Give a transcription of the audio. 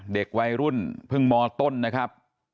เด็กวัยรุ่นเพิ่งมต้นนะครับ